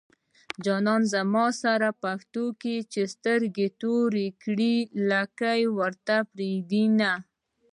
جانان زما سره پښتو کړي چې سترګې توري کړي لکۍ ورته پرېږدينه